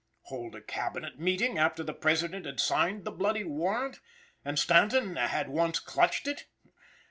Hold a Cabinet meeting after the President had signed the bloody warrant, and Stanton had once clutched it!